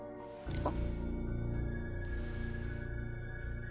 あっ。